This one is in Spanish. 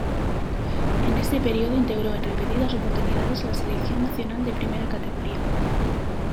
En ese periodo integró en repetidas oportunidades la Selección Nacional de Primera Categoría.